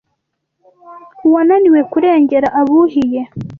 Uwananiwe kurengera abuhiye